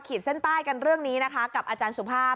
เดี๋ยวเรามาขีดเส้นใต้กันเรื่องนี้นะคะกับอาจารย์สุภาพ